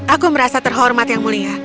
aku merasa terhormat yang mulia